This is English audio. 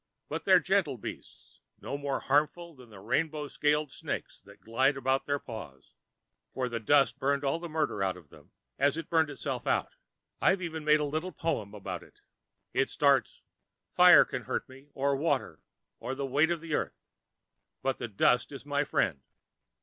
But they're gentle beasts, no more harmful than the rainbow scaled snakes that glide around their paws, for the dust burned all the murder out of them, as it burned itself out. "I've even made up a little poem about that. It starts, 'Fire can hurt me, or water, or the weight of Earth. But the dust is my friend.'